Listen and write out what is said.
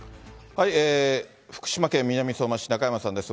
福島県南相馬市、中山さんです。